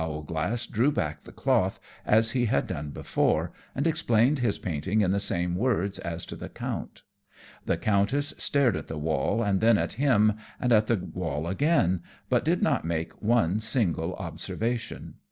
Owlglass drew back the cloth, as he had done before, and explained his painting in the same words as to the Count. The Countess stared at the wall and then at him, and at the wall again, but did not make one single observation.